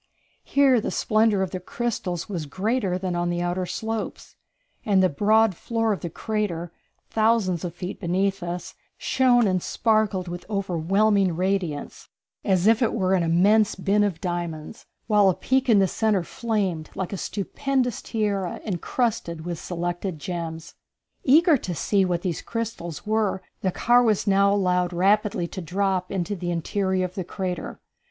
Here the splendor of the crystals was greater than on the outer slopes, and the broad floor of the crater, thousands of feet beneath us, shone and sparkled with overwhelming radiance, as if it were an immense bin of diamonds, while a peak in the centre flamed like a stupendous tiara incrusted with selected gems. Eager to see what these crystals were, the car was now allowed rapidly to drop into the interior of the crater.